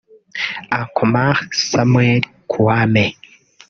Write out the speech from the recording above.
Ankomah Samuel Kwame